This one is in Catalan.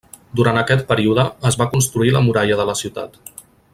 Durant aquest període es va construir la muralla de la ciutat.